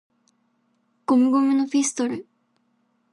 ゴムゴムのピストル!!!